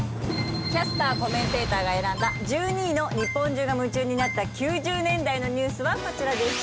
キャスターコメンテーターが選んだ１２位の日本中が夢中になった９０年代のニュースはこちらです。